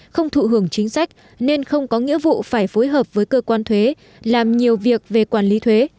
không thụ hưởng chính sách nên không có nghĩa vụ phải phối hợp với cơ quan thuế làm nhiều việc về quản lý thuế